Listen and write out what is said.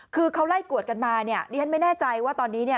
คือเขาไล่กวดกันมาดิฉันไม่แน่ใจว่าตอนนี้